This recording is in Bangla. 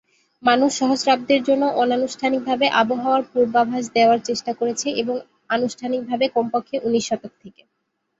মানুষ সহস্রাব্দের জন্য অনানুষ্ঠানিকভাবে আবহাওয়ার পূর্বাভাস দেওয়ার চেষ্টা করেছে, এবং আনুষ্ঠানিকভাবে কমপক্ষে উনিশ শতক থেকে।